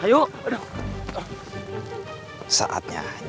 ya aku mau ke pasar cihidung